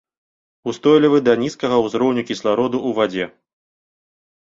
Устойлівы да нізкага узроўню кіслароду ў вадзе.